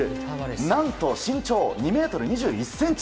何と身長２ｍ２１ｃｍ。